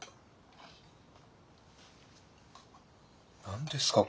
何ですか？